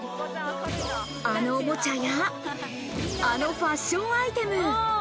あのおもちゃや、あのファッションアイテム。